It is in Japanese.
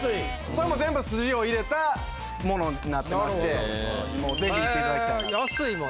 それも全部すじを入れたものになってまして是非行っていただきたいなと。